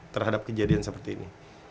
terhadap kejadian seperti ini